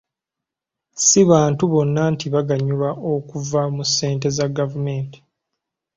Si bantu bonna nti baganyulwa okuva mu ssente za gavumenti.